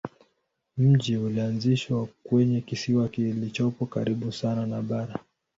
Mji ulianzishwa kwenye kisiwa kilichopo karibu sana na bara.